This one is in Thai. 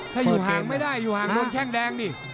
ถ้าหยุดห่างไม่ได้อยู่ห่างโดนแข้งแดงนี่